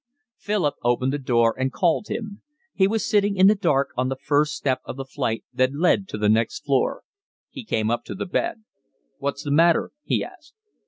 Philip opened the door and called him. He was sitting in the dark on the first step of the flight that led to the next floor. He came up to the bed. "What's the matter?" he asked.